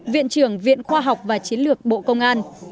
viện trưởng viện khoa học và chiến lược bộ công an